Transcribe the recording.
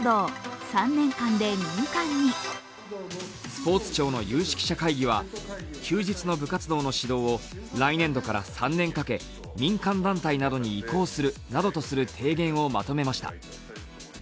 スポーツ庁の有識者会議は休日の部活動の指導を来年度から３年かけ、民間団体などに移行するなどとする提言をまとめました。